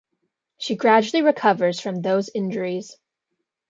She gradually recovers from those injuries.